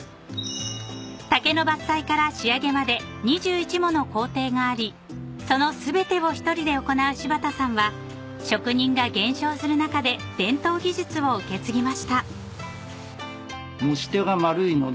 ［竹の伐採から仕上げまで２１もの工程がありその全てを１人で行う柴田さんは職人が減少する中で伝統技術を受け継ぎました］